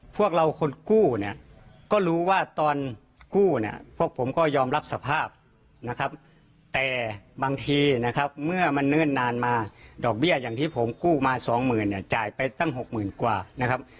พวกเราคนกู้เนี่ยก็รู้ว่าตอนกู้เนี่ยพวกผมก็ยอมรับสภาพนะครับแต่บางทีนะครับเมื่อมันเนิ่นนานมาดอกเบี้ยอย่างที่ผมกู้มาสองหมื่นเนี่ยจ่ายไปตั้ง๖๐๐๐กว่านะครับ